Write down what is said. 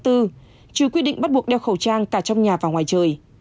trừ quy định bắt buộc đeo khẩu trang cả trong nhà và ngoài trời